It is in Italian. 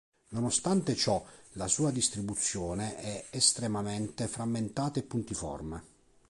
Nonostante ciò la sua distribuzione è estremamente frammentata e puntiforme.